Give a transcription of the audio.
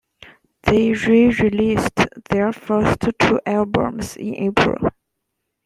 They re-released their first two albums in April.